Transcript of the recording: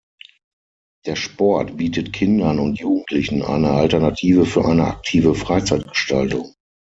Der Sport bietet Kindern und Jugendlichen eine Alternative für eine aktive Freizeitgestaltung.